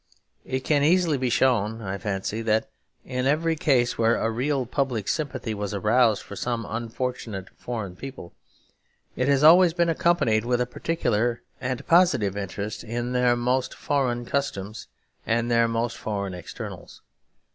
It can easily be shown, I fancy, that in every case where a real public sympathy was aroused for some unfortunate foreign people, it has always been accompanied with a particular and positive interest in their most foreign customs and their most foreign externals.